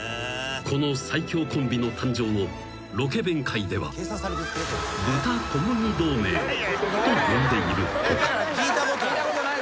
［この最強コンビの誕生をロケ弁界では豚小麦同盟と呼んでいるとか］